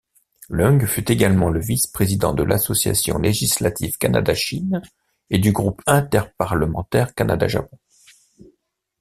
Leung fut également le Vice-Président de l'Association Législative Canada-Chine et du Groupe Interparlementaire Canada-Japon.